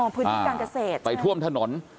พื้นที่การเกษตรไปท่วมถนน